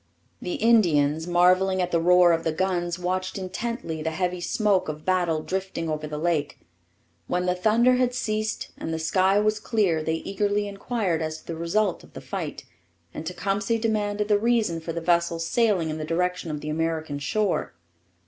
The Indians, marvelling at the roar of the guns, watched intently the heavy smoke of battle drifting over the lake. When the thunder had ceased and the sky was clear they eagerly inquired as to the result of the fight; and Tecumseh demanded the reason for the vessels sailing in the direction of the American shore.